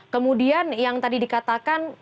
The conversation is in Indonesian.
kemudian yang tadi dikatakan